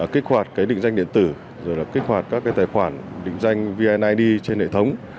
kích hoạt định danh điện tử kích hoạt các tài khoản định danh vnid trên hệ thống